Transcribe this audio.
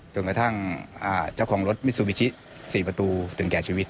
จนกระทั่งเจ้าของรถมิซูบิชิ๔ประตูถึงแก่ชีวิต